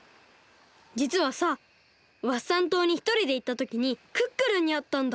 じつはさワッサン島にひとりでいったときにクックルンにあったんだ！